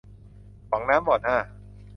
หวังน้ำบ่อหน้า